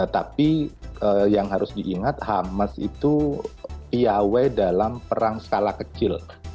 tapi yang harus diingat hamas itu piawe dalam perang skala kecil